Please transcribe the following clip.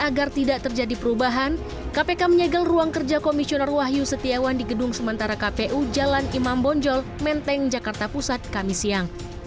agar tidak terjadi perubahan kpk menyegel ruang kerja komisioner wahyu setiawan di gedung sementara kpu jalan imam bonjol menteng jakarta pusat kami siang